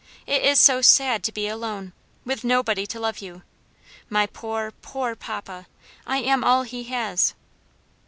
"It is so sad to be alone, with nobody to love you; my poor, poor papa! I am all he has."